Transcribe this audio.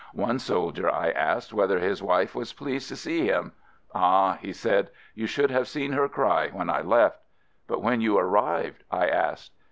One soldier I asked whether his wife was pleased to see him: — "Ah," he said, "you should have seen her cry when I left." "But when you ar rived?" I asked.